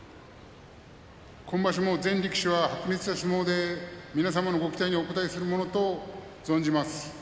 今場所も全力士は白熱した相撲で皆様のご期待にお応えするものと存じます。